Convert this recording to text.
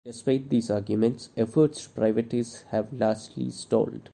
Despite these arguments, efforts to privatize have largely stalled.